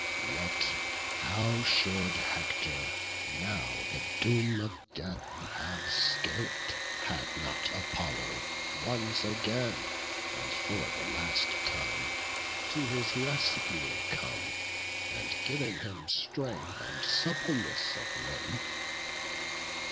Yet how should Hector now the doom of death Have 'scap'd, had not Apollo once again, And for the last time, to his rescue come, And giv'n him strength and suppleness of limb?